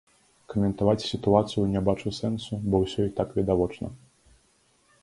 Каментаваць сітуацыю не бачу сэнсу, бо ўсё і так відавочна.